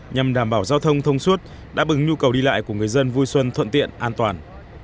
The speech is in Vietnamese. nhằm đảm bảo giao thông thông suốt đáp ứng nhu cầu đi lại của người dân vui xuân thuận tiện an toàn